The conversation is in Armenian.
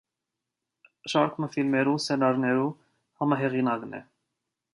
Շարք մը ֆիլմերու սենարներու համահեղինակն է։